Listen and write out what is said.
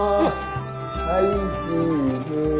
はいチーズ。